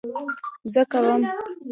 زه کوم